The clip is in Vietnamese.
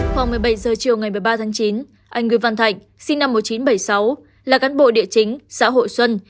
khoảng một mươi bảy h chiều ngày một mươi ba tháng chín anh nguyễn văn thạnh sinh năm một nghìn chín trăm bảy mươi sáu là cán bộ địa chính xã hội xuân